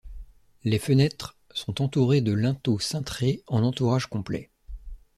Les fenêtres sont entourées de linteaux cintrés en entourage complet.